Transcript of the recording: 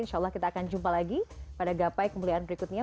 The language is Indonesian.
insya allah kita akan jumpa lagi pada gapai kemuliaan berikutnya